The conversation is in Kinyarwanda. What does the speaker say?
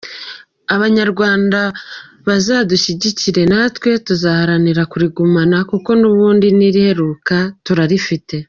Abanyarwanda bazadushyigikire natwe tuzarwanira kurigumana kuko n’ubundi n’iriheruka turarifite.